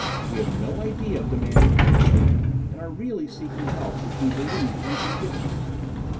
We have no idea of demanding anything and are really seeking help which we believe that you can give us."